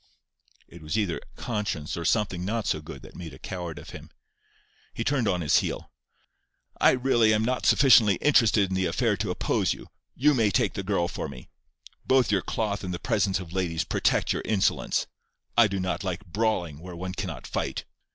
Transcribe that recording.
It was either conscience or something not so good that made a coward of him. He turned on his heel. "I really am not sufficiently interested in the affair to oppose you. You may take the girl for me. Both your cloth and the presence of ladies protect your insolence. I do not like brawling where one cannot fight.